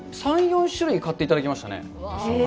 ３４種類買っていただきましたね。